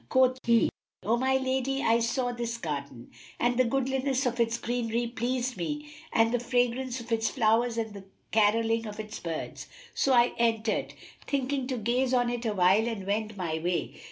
Quoth he, "O my lady, I saw this garden, and the goodliness of its greenery pleased me and the fragrance of its flowers and the carolling of its birds; so I entered, thinking to gaze on it awhile and wend my way."